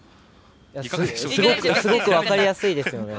すごく分かりやすいですよね。